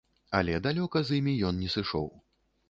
Але далёка з імі ён не сышоў.